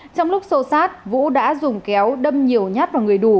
trong lúc xô sát vũ đã dùng kéo đâm nhiều nhát vào người đủ